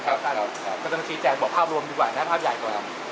ก็ต้องชี้แจงบอกภาพรวมดีกว่านะภาพใหญ่ก่อน